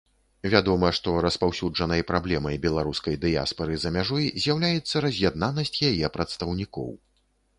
Вядома, што распаўсюджанай праблемай беларускай дыяспары за мяжой з'яўляецца раз'яднанасць яе прадстаўнікоў.